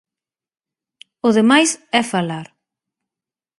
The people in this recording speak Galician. O demais é falar.